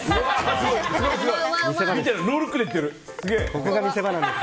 ここが見せ場です。